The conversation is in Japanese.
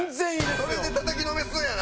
それでたたきのめすんやな？